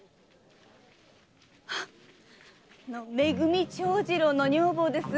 め組長次郎の女房です。